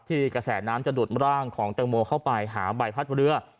กระแสน้ำจะดูดร่างของแตงโมเข้าไปหาใบพัดเรือ